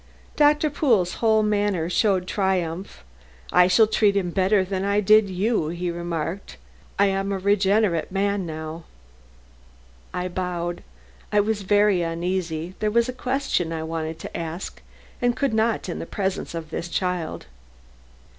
Doctor Pool's whole manner showed triumph. "I shall treat him better than I did you," he remarked. "I am a regenerate man now." I bowed; I was very uneasy; there was a question I wanted to ask and could not in the presence of this child.